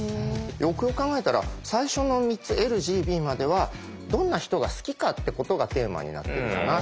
よくよく考えたら最初の３つＬＧＢまではどんな人が好きかってことがテーマになってるじゃない？